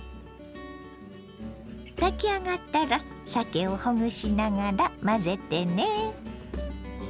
炊き上がったらさけをほぐしながら混ぜてね。